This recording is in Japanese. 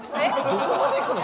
どこまでいくの？